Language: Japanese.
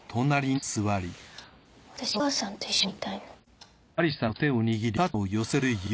私お母さんと一緒にいたいの。